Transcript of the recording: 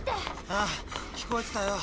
ああ聞こえてたよ。